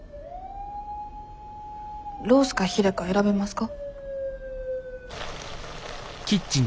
ロースかヒレか選べますか？